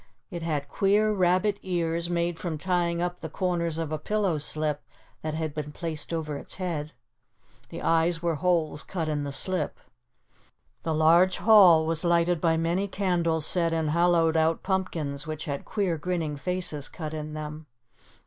It had queer rabbit ears, made from tying up the corners of a pillow slip that had been placed over its head. The eyes were holes cut in the slip. The large hall was lighted by many candles set in hollowed out pumpkins which had queer grinning faces cut in them.